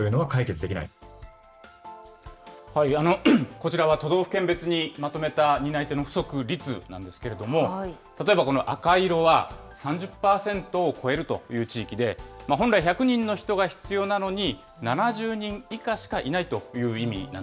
こちらは都道府県別にまとめた担い手の不足率なんですけれども、例えばこの赤色は、３０％を超えるという地域で、本来１００人の人が必要なのに、７０人以下しかいないという意味